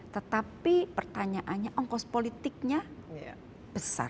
tetapi pertanyaannya ongkos politiknya besar